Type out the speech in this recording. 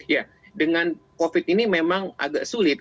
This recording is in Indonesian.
ya dengan covid ini memang agak sulit